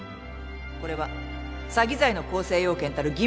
これは詐欺罪の構成要件たる欺